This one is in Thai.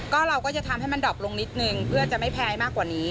ก็เราก็จะทำให้มันดอบลงนิดนึงเพื่อจะไม่แพ้มากกว่านี้